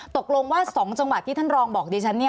ตกลงว่า๒จังหวัดที่ท่านรองบอกดิฉัน